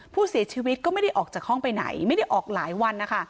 ผู้เสียชีวิตก็ไม่ได้ออกจากห้องไปไหนไม่ได้ออกหลายวันนะคะ